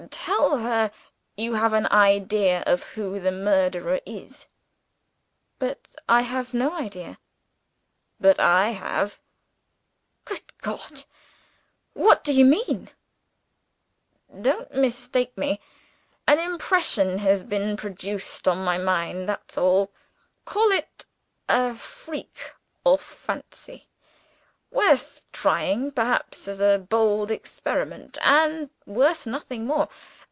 "Tell her you have an idea of who the murderer is." "But I have no idea." "But I have." "Good God! what do you mean?" "Don't mistake me! An impression has been produced on my mind that's all. Call it a freak or fancy; worth trying perhaps as a bold experiment, and worth nothing more.